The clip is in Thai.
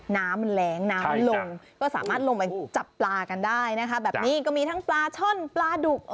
น้ำมันแรงน้ำมันลงก็สามารถลงไปจับปลากันได้นะคะแบบนี้ก็มีทั้งปลาช่อนปลาดุก